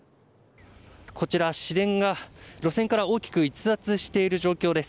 こちら、市電が路線から大きく逸脱している様子です。